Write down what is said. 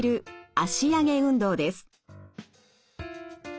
脚上げ運動です。